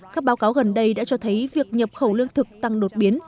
các báo cáo gần đây đã cho thấy việc nhập khẩu lương thực tăng đột biến